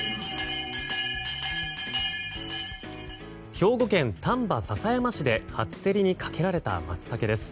兵庫県丹波篠山市で初競りにかけられたマツタケです。